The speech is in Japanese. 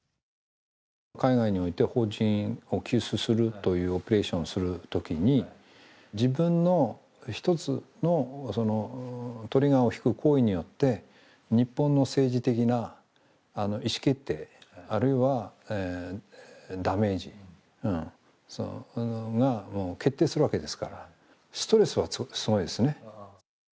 海外に赴いて邦人を救出するというオペレーションをするときに自分の一つのトリガーを引く行為によって日本の政治的な意思決定、あるいはダメージが決定するわけですからストレスはすごいですね。